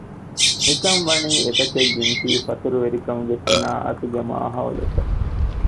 މިތަން ވަނީ އެތަކެއް ޖިންސީ ފަތުރުވެރިކަމުގެ ޞިނާޢަތުގެ މާހައުލަކަށް